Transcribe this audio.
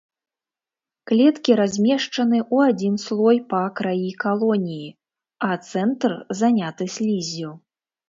Клеткі размешчаны ў адзін слой па краі калоніі, а цэнтр заняты сліззю.